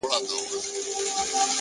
پوهه د پرېکړو وزن روښانه کوي!